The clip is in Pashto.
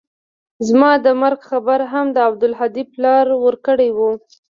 زما د مرګ خبر هم د عبدالهادي پلار ورکړى و.